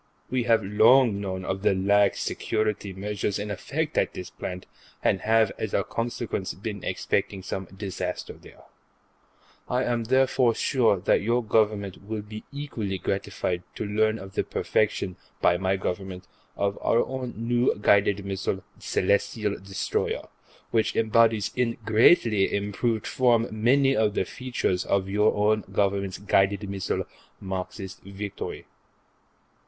We have long known of the lax security measures in effect at this plant, and have, as a consequence, been expecting some disaster there. I am therefore sure that your Government will be equally gratified to learn of the perfection, by my Government, of our own new guided missile Celestial Destroyer, which embodies, in greatly improved form, many of the features of your own Government's guided missile Marxist Victory.